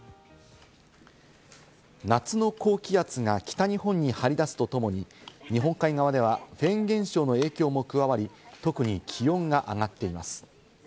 夏の高気圧が北日本に張り出すとともに、日本海側ではフェーン現象の影響も加わり、特に気温が上がっています。